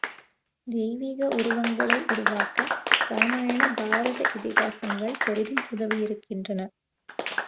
தெய்வீக உருவங்களை உருவாக்க ராமாயண, பாரத இதிகாசங்கள் பெரிதும் உதவியிருக்கின்றன.